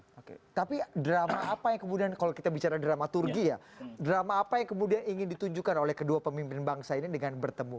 oke tapi drama apa yang kemudian kalau kita bicara dramaturgi ya drama apa yang kemudian ingin ditunjukkan oleh kedua pemimpin bangsa ini dengan bertemu